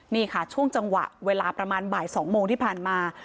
นี่ค่ะช่วงจังหวะเวลาประมาณบ่าย๒โมงที่ผ่านมา